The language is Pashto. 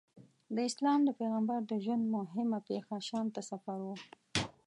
د اسلام د پیغمبر د ژوند موهمه پېښه شام ته سفر و.